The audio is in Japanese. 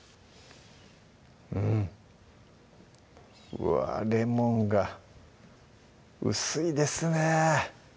うわぁレモンが薄いですね